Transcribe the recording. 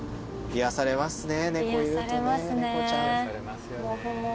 癒やされますよね。